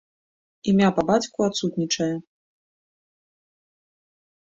Імя па бацьку адсутнічае.